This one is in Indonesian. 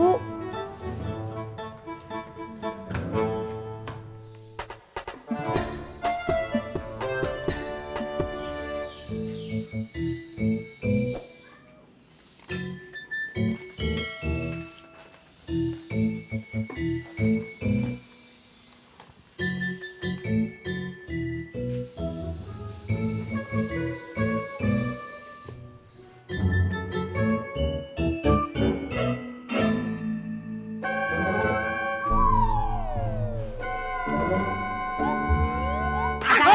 buat uang pak